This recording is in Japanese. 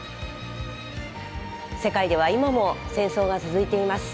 世界では今も戦争が続いています。